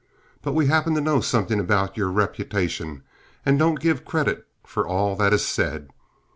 But we happen to know something about your reputation and don't give credit for all that is said.